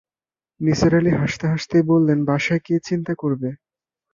নিসার আলি হাসাতে-হাসতেই বললেন, বাসায় কে চিন্তা করবে?